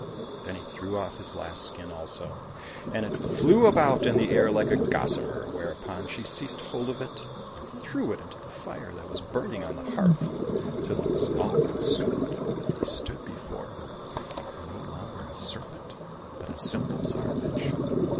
Then he threw off his last skin also, and it flew about in the air like a gossamer, whereupon she seized hold of it and threw it into the fire that was burning on the hearth till it was all consumed, and he stood before her no longer a serpent, but a simple Tsarevich.